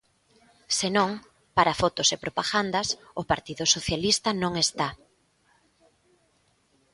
Se non, para fotos e propagandas o Partido Socialista non está.